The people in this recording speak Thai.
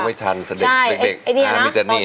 ไม่รู้ไม่ทันเด็กมีแต่นี่